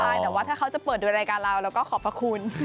ใช่แต่ว่าถ้าเขาจะเปิดโดยรายการเราเราก็ขอบพระคุณ